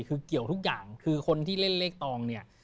คือเกี่ยวทุกอย่างคือคนที่เล่นเลขตองเนี่ย